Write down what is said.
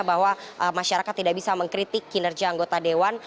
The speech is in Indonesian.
bahwa masyarakat tidak bisa mengkritik kinerja anggota dewan